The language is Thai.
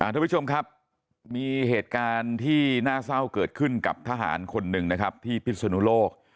ทุกผู้ชมครับมีเหตุการณ์ที่น่าเศร้าเกิดขึ้นกับทหารคนหนึ่งนะครับที่พิศนุโลก